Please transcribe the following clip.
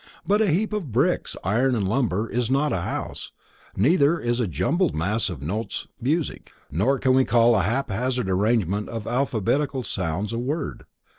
But a heap of bricks, iron and lumber, is not a house, neither is a jumbled mass of notes music, nor can we call a haphazard arrangement of alphabetical sounds a word.